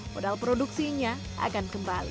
modal produksinya akan kembali